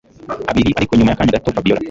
abiri ariko nyuma yakanya gato Fabiora